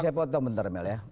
saya mau tau bentar mel ya